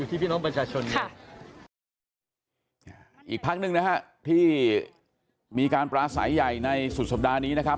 อีกพักหนึ่งที่มีการประสายใหญ่ในสุดสัปดาห์นี้นะครับ